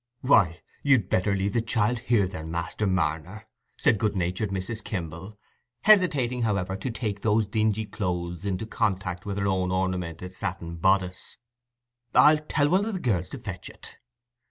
"Why, you'd better leave the child here, then, Master Marner," said good natured Mrs. Kimble, hesitating, however, to take those dingy clothes into contact with her own ornamented satin bodice. "I'll tell one o' the girls to fetch it."